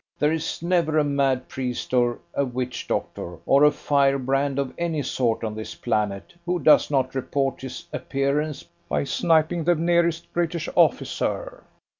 There is never a mad priest or a witch doctor, or a firebrand of any sort on this planet, who does not report his appearance by sniping the nearest British officer.